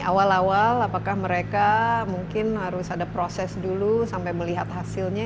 awal awal apakah mereka mungkin harus ada proses dulu sampai melihat hasilnya